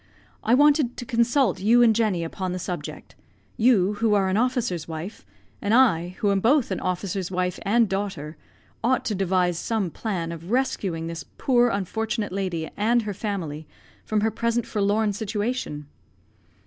I wanted to consult you and Jenny upon the subject. You, who are an officer's wife, and I, who am both an officer's wife and daughter, ought to devise some plan of rescuing this poor, unfortunate lady and her family from her present forlorn situation."